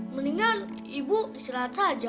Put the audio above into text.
mendingan ibu istirahat saja